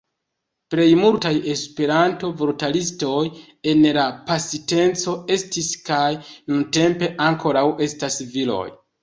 Plej multaj Esperanto-vortaristoj en la pasinteco estis kaj nuntempe ankoraŭ estas viroj.